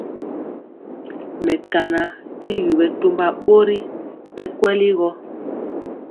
Mekana tyigi bɛtɔmba bori bɛ kweli gɔ.